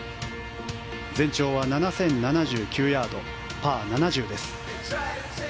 全長は７０７９ヤードパー７０です。